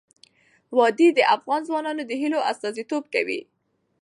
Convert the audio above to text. وادي د افغان ځوانانو د هیلو استازیتوب کوي.